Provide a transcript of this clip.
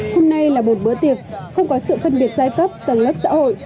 hôm nay là một bữa tiệc không có sự phân biệt giai cấp tầng lớp xã hội